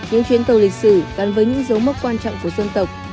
những chuyến tàu lịch sử gắn với những dấu mốc quan trọng của dân tộc